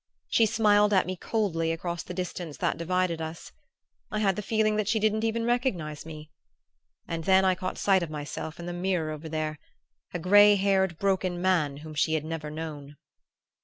She smiled at me coldly across the distance that divided us. I had the feeling that she didn't even recognize me. And then I caught sight of myself in the mirror over there a gray haired broken man whom she had never known!